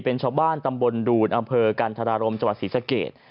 เป็นชาวบ้านตำบลดูนอำเภอกันธรรมจศีรษะเกต